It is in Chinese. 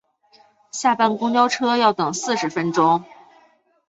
下班公车要等四十分钟